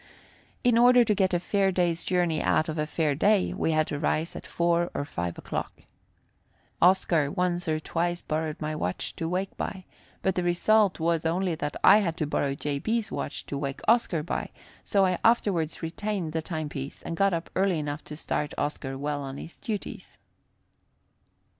In order to get a fair day's journey out of a fair day, we had to rise at 4 or 5 o'clock. Oscar once or twice borrowed my watch to wake by, but the result was only that I had to borrow J. B.'s watch to wake Oscar by; so I afterwards retained the timepiece, and got up early enough to start Oscar well on his duties.